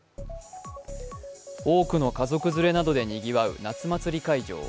多くの家族連れなどでにぎわう夏祭り会場。